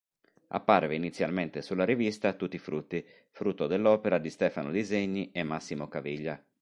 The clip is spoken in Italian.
Apparve inizialmente sulla rivista "Tutti frutti", frutto dell'opera di Stefano Disegni e Massimo Caviglia.